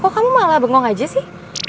kok kamu malah bengong aja sih